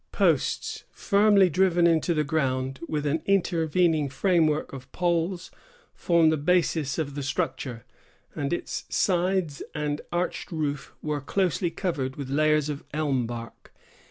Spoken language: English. Posts, firmly driven into the ground, with an intervening framework of poles, formed the basis of the structure; and its sides and arched roof were closely covered with layers of elm bark.